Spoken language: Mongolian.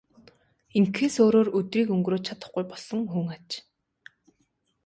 Ингэхээс өөрөөр өдрийг өнгөрөөж чадахгүй болсон хүн аж.